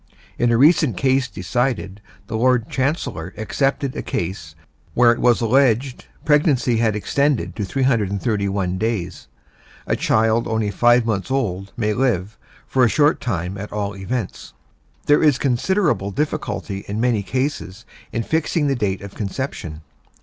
In a recent case decided, the Lord Chancellor accepted a case where it was alleged pregnancy had extended to 331 days. A child only five months old may live, for a short time at all events. There is considerable difficulty in many cases in fixing the date of conception.